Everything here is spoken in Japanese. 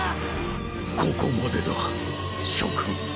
ここまでだ諸君。